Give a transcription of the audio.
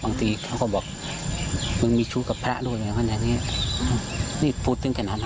บางทีเขาก็บอกมึงมีชู้กับพระร่วมอย่างงี้พูดถึงแค่นั้นเลยนะ